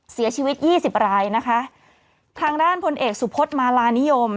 เสียชีวิตยี่สิบรายนะคะทางด้านพลเอกสุพธมาลานิยม